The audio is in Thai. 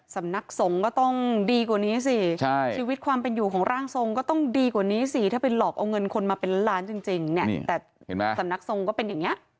สำนักสงฆ์ก็ต้องดีกว่านี้สิชีวิตความเป็นอยู่ของร่างทรงก็ต้องดีกว่านี้สิถ้าเป็นหลอกเอาเงินคนมาเป็นล้านจริงเนี่ยแต่เห็นไหมสำนักทรงก็เป็นอย่างนี้